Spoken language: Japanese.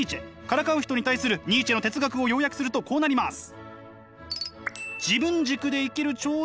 からかう人に対するニーチェの哲学を要約するとこうなります。